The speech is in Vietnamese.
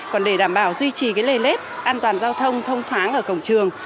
còn để đảm bảo duy trì lề nét an toàn giao thông thông thoáng ở cổng trường